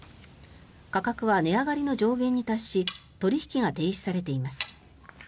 価格は値上がりの上限に達し取引が停止されています。